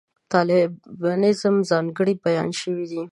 د طالبانیزم ځانګړنې بیان شوې دي.